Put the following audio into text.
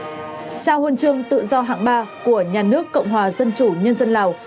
trao huân chương tự do hạng ba của nhà nước cộng hòa dân chủ nhân dân lào